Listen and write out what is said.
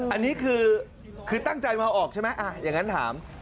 อันนี้คือตั้งใจมาออกใช่ไหมอย่างนั้นถาม